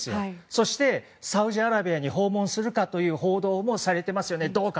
そして、サウジアラビアに訪問するかという報道もされていますよね。